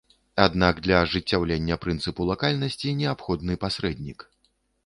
Аднак, для ажыццяўлення прынцыпу лакальнасці неабходны пасрэднік.